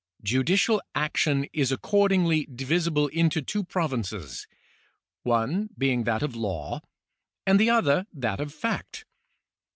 Judicial action is accordingly divisible into two provinces ; one being that of law, and the other that of fact.